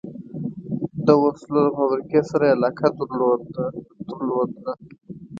د وسلو فابریکې سره علاقه درلوده.